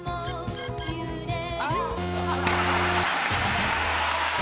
あっ！